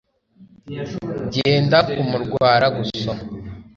byenda kumurwara gusoma